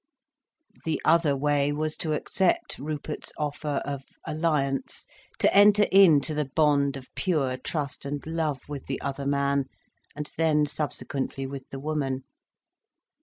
The other way was to accept Rupert's offer of alliance, to enter into the bond of pure trust and love with the other man, and then subsequently with the woman.